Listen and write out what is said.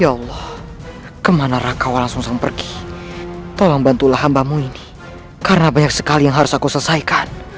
ya allah kemana rakau langsung pergi tolong bantulah hambamu ini karena banyak sekali yang harus aku selesaikan